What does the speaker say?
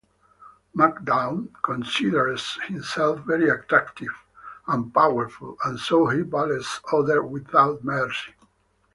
McDowd considers himself very attractive and powerful and so he bullies others without mercy.